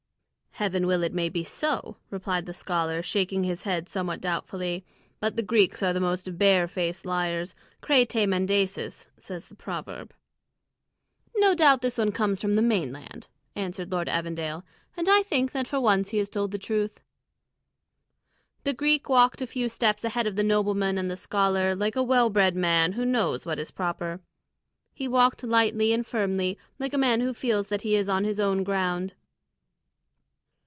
"Heaven will it may be so!" replied the scholar, shaking his head somewhat doubtfully; "but the Greeks are most barefaced liars, Cretæ mendaces, says the proverb." "No doubt this one comes from the mainland," answered Lord Evandale, "and I think that for once he has told the truth." The Greek walked a few steps ahead of the nobleman and the scholar like a well bred man who knows what is proper. He walked lightly and firmly, like a man who feels that he is on his own ground.